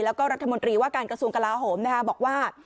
แล้วก็รัฐมนตรีว่าการกระทรวงกลาโหมบอกว่า